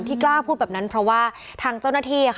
กล้าพูดแบบนั้นเพราะว่าทางเจ้าหน้าที่